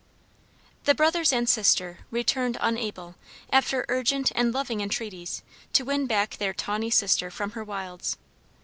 The brothers and sister returned unable, after urgent and loving entreaties, to win back their tawny sister from her wilds.